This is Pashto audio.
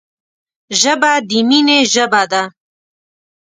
ژبه د مینې ژبه ده